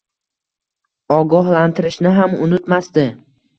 ogohlantirishni ham unutmasdi.